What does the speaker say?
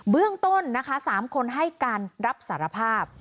เบื้องต้นนะคะ๓คนให้การรับสารภาพ